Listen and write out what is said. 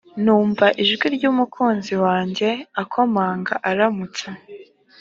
numva ijwi ry umukunzi wanjye akomanga aramutsa